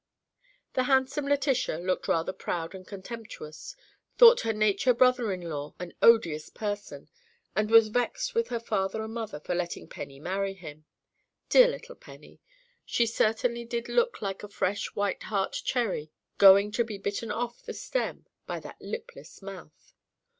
The handsome Letitia looked rather proud and contemptuous, thought her future brother in law an odious person, and was vexed with her father and mother for letting Penny marry him. Dear little Penny! She certainly did look like a fresh white heart cherry going to be bitten off the stem by that lipless mouth.